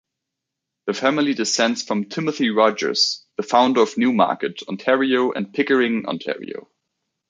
The family descends from Timothy Rogers, the founder of Newmarket, Ontario and Pickering, Ontario.